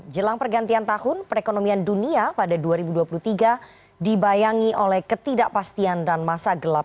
jelang pergantian tahun perekonomian dunia pada dua ribu dua puluh tiga dibayangi oleh ketidakpastian dan masa gelap